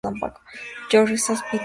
George's Hospital.